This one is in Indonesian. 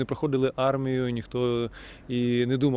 mereka tidak mengambil senjata